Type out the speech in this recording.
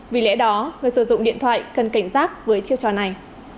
vì lẽ đó người sử dụng điện thoại cần cảnh giác với chiêu trò này